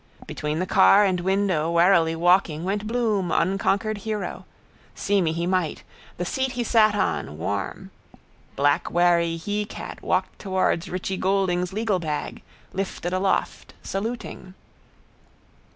Between the car and window, warily walking, went Bloom, unconquered hero. See me he might. The seat he sat on: warm. Black wary hecat walked towards Richie Goulding's legal bag, lifted aloft, saluting.